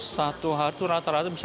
satu hari itu rata rata bisa tujuh puluh